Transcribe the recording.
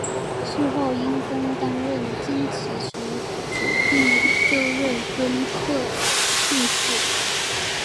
事后因公担任金崎城主并就任敦贺郡司。